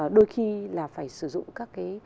đôi khi là phải sử dụng các cái